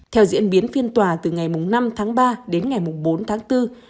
theo diễn biến phiên tòa từ ngày năm tháng ba đến ngày bốn tháng bốn